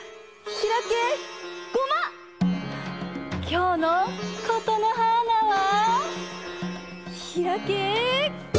きょうのことのはーなは。